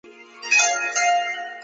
张謇的父亲为张彭年。